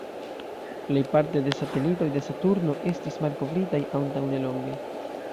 Plejparte de satelitoj de Saturno estis malkovritaj antaŭ nelonge.